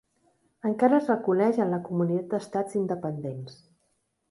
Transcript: Encara es reconeix en la Comunitat d'Estats Independents.